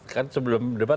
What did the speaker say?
kan sebelum debat